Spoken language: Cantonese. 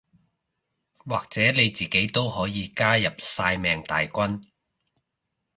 或者你自己都可以加入曬命大軍